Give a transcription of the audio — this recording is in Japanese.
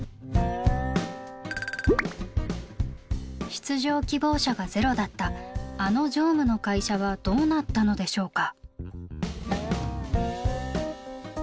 出場希望者がゼロだったあの常務の会社はどうなったのでしょうか？